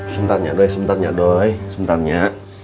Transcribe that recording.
sebentar ya doi sebentar ya doi sebentar ya